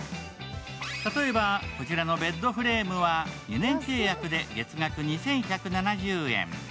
例えばこちらのベッドフレームは２年契約で月額２１７０円。